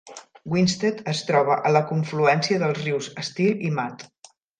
Winsted es troba a la confluència dels rius Still i Mad.